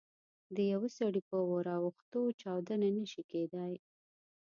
د یوه سړي په ور اوښتو چاودنه نه شي کېدای.